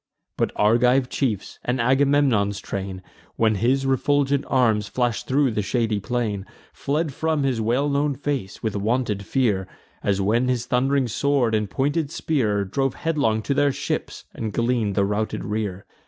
But Argive chiefs, and Agamemnon's train, When his refulgent arms flash'd thro' the shady plain, Fled from his well known face, with wonted fear, As when his thund'ring sword and pointed spear Drove headlong to their ships, and glean'd the routed rear.